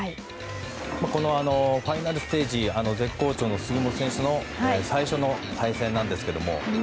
このファイナルステージ絶好調の杉本選手との最初の対戦なんですけども。